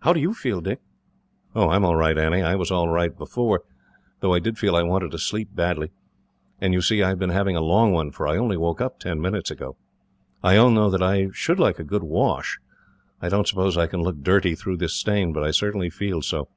How do you feel, Dick?" "Oh, I am all right, Annie. I was all right before, though I did feel I wanted a sleep badly; and you see I have been having a long one, for I only woke up ten minutes ago. I own, though, that I should like a good wash. I don't suppose I can look dirty through this stain, but I certainly feel so."